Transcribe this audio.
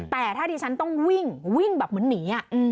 แต่ถ้าดิฉันต้องวิ่งวิ่งแบบเหมือนหนี